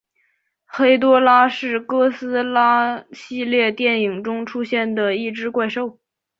黑多拉是哥斯拉系列电影中出现的一只怪兽。